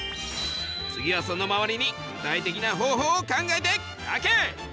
次はその周りに具体的な方法を考えて書け！